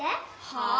はあ？